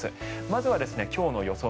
まずは今日の予想